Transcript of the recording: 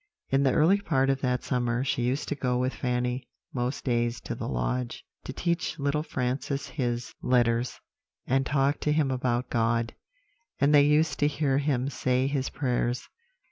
"In the early part of that summer she used to go with Fanny most days to the lodge, to teach little Francis his letters, and talk to him about God; and they used to hear him say his prayers.